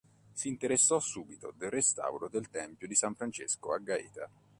Si interessò subito del restauro del tempio di San Francesco a Gaeta.